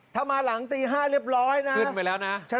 ถ้ามาหลังตี๕เรียบร้อยนะขึ้นไปแล้วนะ